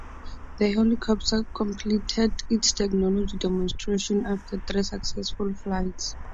The helicopter completed its technology demonstration after three successful flights.